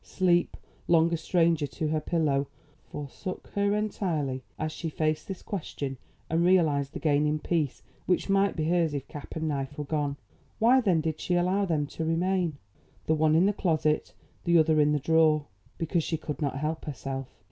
Sleep, long a stranger to her pillow, forsook her entirely as she faced this question and realised the gain in peace which might be hers if cap and knife were gone. Why then did she allow them to remain, the one in the closet, the other in the drawer? Because she could not help herself.